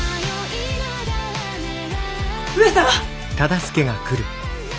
・上様！